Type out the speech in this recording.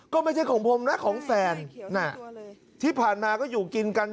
ก็ไม่ใช่ของผมนะของแฟนที่ผ่านมาก็อยู่กินกัน